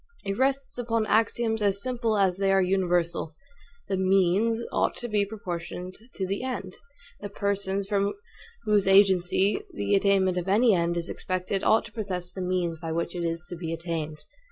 It rests upon axioms as simple as they are universal; the MEANS ought to be proportioned to the END; the persons, from whose agency the attainment of any END is expected, ought to possess the MEANS by which it is to be attained.